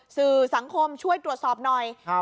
สื่อสังคมช่วยตรวจสอบหน่อย